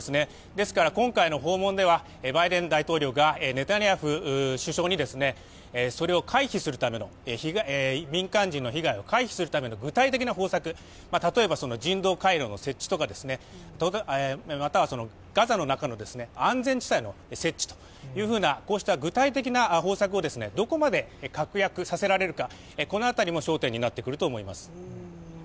ですから今回の訪問ではバイデン大統領がネタニヤフ首相にそれを回避するための民間人の被害を回避するための具体的な方策例えば人道回廊の設置とかまたはガザの中の安全地帯の設置といった具体的な方策をどこまで確約させられるかこの辺りも焦点になってくると思います。